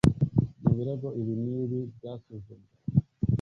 Mu birego ibi n ibi byasuzumwe